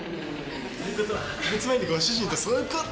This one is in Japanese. ということは８ヶ月前にご主人とそういうこと。